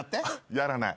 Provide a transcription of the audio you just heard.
やらない。